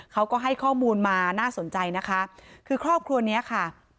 เขาก็ให้ข้อมูลมาน่าสนใจนะคะคือครอบครัวเนี้ยค่ะ